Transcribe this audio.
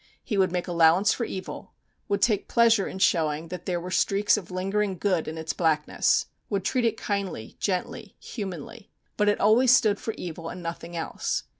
He would make allowance for evil, would take pleasure in showing that there were streaks of lingering good in its blackness, would treat it kindly, gently, humanly. But it always stood for evil, and nothing else.